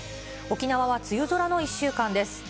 沖縄は梅雨空の１週間です。